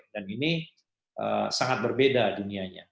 ini sangat berbeda dunianya